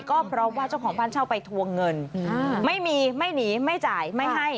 ก็เพราะว่าเจ้าของบ้านเช่าไปทวงเงินไม่มีไม่หนีไม่จ่ายไม่ให้